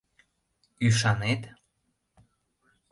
— Ӱшанет?